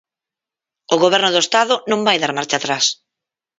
O Goberno do Estado non vai dar marcha atrás.